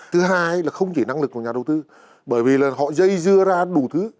thứ hai là không chỉ năng lực của nhà đầu tư bởi vì là họ dây dưa ra đủ thứ